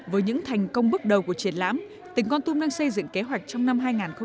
với những thành công bước đầu của triển lãm tỉnh con tum đang xây dựng kế hoạch trong năm hai nghìn hai mươi